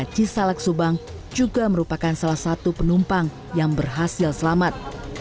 dan cisalak subang juga merupakan salah satu penumpang yang berhasil selamat